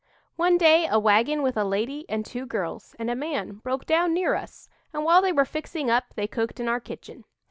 One day a wagon with a lady and two girls and a man broke down near us, and while they were fixing up, they cooked in our kitchen.